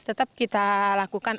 tetap kita lakukan